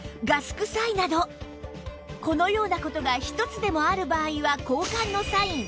このような事が１つでもある場合は交換のサイン